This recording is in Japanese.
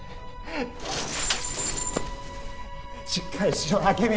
しっかりしろ明美